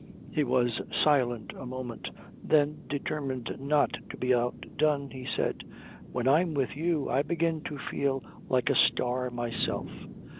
He was silent a moment. Then, determined not to be outdone, he said: "When I'm with you I begin to feel like a star myself."